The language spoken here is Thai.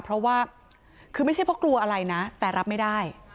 เพราะว่าคือไม่ใช่เพราะกลัวอะไรนะแต่รับไม่ได้